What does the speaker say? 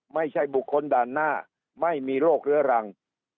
ไม่ใช่บุคคลด่านหน้าไม่มีโรคเรื้อรัง